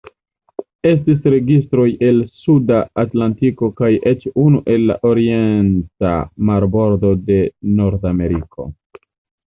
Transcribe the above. Estis registroj el Suda Atlantiko kaj eĉ unu el la orienta marbordo de Nordameriko.